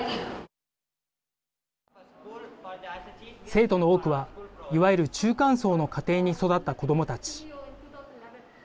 生徒の多くはいわゆる中間層の家庭に育った子どもたち。